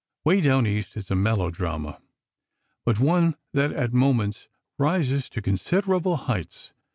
"Way Down East" is a melodrama, but one that at moments rises to considerable heights.